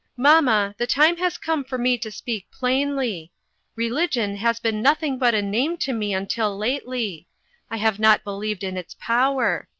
Mamma, the time has come for me to speak plainly. Religion has been nothing but a name to me until lately. I have not believed in its power.